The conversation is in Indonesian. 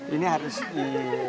ini harus di